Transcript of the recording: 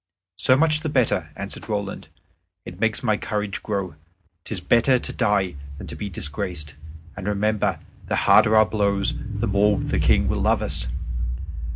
"So much the better," answered Roland. "It makes my courage grow. 'Tis better to die than to be disgraced. And remember, the harder our blows the more the King will love us."